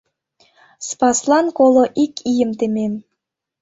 — Спаслан коло ик ийым темем.